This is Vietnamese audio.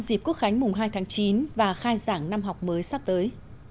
dịp quốc khánh mùng hai tháng chín và khai giảng năm học mới sắp tới